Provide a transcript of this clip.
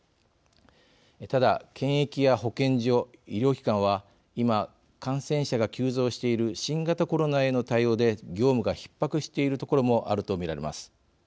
ただ、検疫や保健所、医療機関は今、感染者が急増している新型コロナへの対応で業務がひっ迫している所もあると見られます。